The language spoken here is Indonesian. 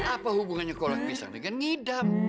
apa hubungannya kolak pisang dengan ngidam